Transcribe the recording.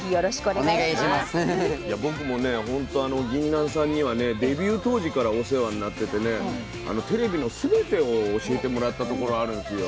ぎんなんさんにはねデビュー当時からお世話になっててねテレビのすべてを教えてもらったところあるんですよ。